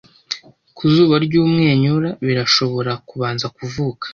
Ku zuba ry'umwenyura, birashobora kubanza kuvuka,